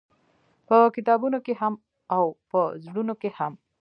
په کتابونو کښې هم او په زړونو کښې هم-